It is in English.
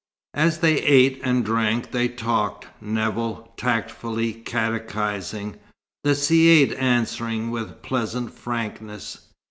As they ate and drank, they talked, Nevill tactfully catechizing, the Caïd answering with pleasant frankness.